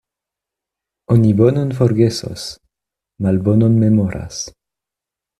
Oni bonon forgesos, malbonon memoras.